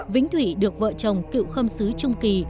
vĩnh thụy được vợ chồng cựu khâm xứ trung kỳ